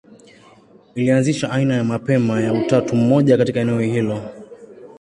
Ilianzisha aina ya mapema ya utatu mmoja katika eneo hilo.